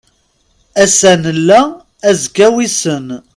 Ass-a nella, azekka wissen.